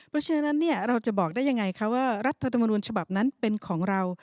เพราะฉะนั้นเราจะบอกได้ยังไงคะว่ารัฐธรรมนุนฉบับนั้นเป็นของเรา